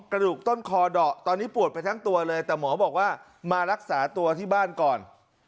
กระดูกต้นคอเดาะตอนนี้ปวดไปทั้งตัวเลยแต่หมอบอกว่ามารักษาตัวที่บ้านก่อน